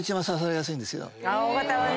Ｏ型はね。